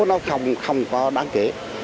nó không có đáng kể